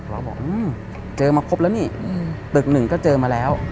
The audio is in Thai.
เราบอกเจอมาครบแล้วนี่ตึกหนึ่งก็เจอมาแล้ว